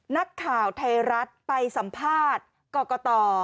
นักข่าวไทยรัฐไปสัมภาษณ์กรกต